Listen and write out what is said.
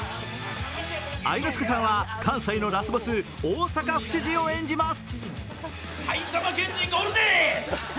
愛之助さんは関西のラスボス・大阪府知事を演じます。